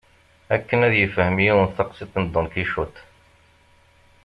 Akken ad yefhem yiwen taqsiṭ n Don Kicuṭ.